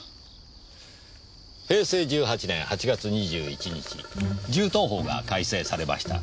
平成１８年８月２１日銃刀法が改正されました。